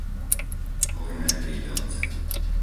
Horné Príbelce